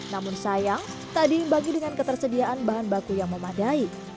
namun sayang tadi dibagi dengan ketersediaan bahan baku yang memadai